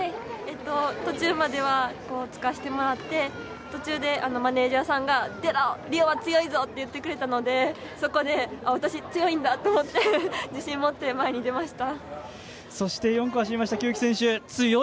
途中まではつかせてもらって途中でマネージャーさんが莉乃は強いぞと言ってくれたので、そこで、私、強いんだと思って、自信を持って前に出ました。